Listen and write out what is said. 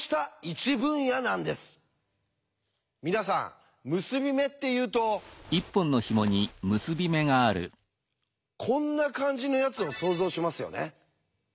皆さん結び目っていうとこんな感じのやつを想像しますよね？